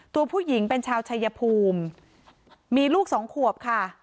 ตัวผู้หญิงเป็นชาวชายภูมิมีลูกสองขวบค่ะ